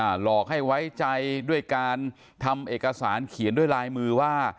หลอกให้ไว้ใจด้วยการทำเอกสารเขียนด้วยลายมือว่า